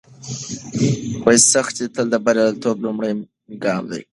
سختي تل د بریالیتوب لومړی ګام وي.